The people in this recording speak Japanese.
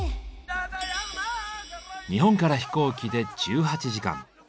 日本から飛行機で１８時間。